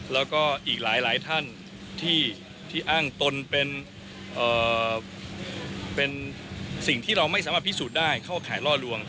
แล้วก็อีกหลายท่านที่อ้างตนเป็นสิ่งที่เราไม่สามารถพิสูจน์ได้เข้าข่ายล่อลวง